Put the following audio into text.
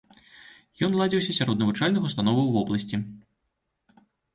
Ён ладзіўся сярод навучальных установаў вобласці.